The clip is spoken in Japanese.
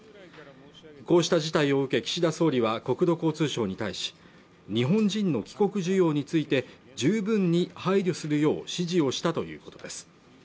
こうした事態を受け岸田総理は国土交通省に対し日本人の帰国需要について十分に配慮するよう指示をしたということです